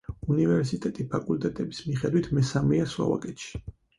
უნივერსიტეტი ფაკულტეტების მიხედვით მესამეა სლოვაკეთში.